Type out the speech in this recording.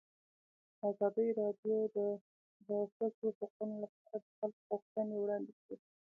ازادي راډیو د د ښځو حقونه لپاره د خلکو غوښتنې وړاندې کړي.